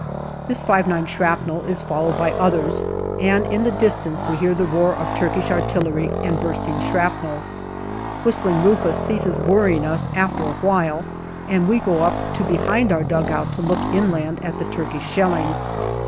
This 5 9 shrapnel is followed by others, and in the distance we hear the roar of Turkish artillery and bursting shrapnel. " Whistling Rufus " ceases worrying us after a while, and we go up to behind our dugout and look inland at the Turkish shelling.